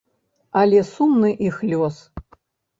Але сумны іх лёс.